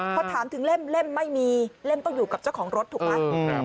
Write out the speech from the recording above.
พอถามถึงเล่มไม่มีเล่มต้องอยู่กับเจ้าของรถถูกไหม